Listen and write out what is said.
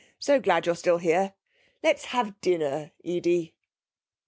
So glad you're still here. Let's have dinner, Edie.'